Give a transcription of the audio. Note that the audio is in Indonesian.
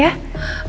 masih praktis bagi ya